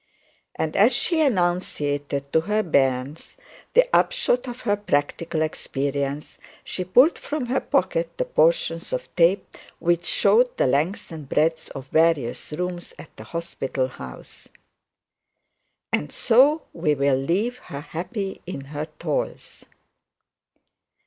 And as she enunciated to her bairns the upshot of her practical experience, she pulled from her pocket the portions of tape which showed the length and breadth of the various rooms at the hospital house. And so we will leave her happy in her toils.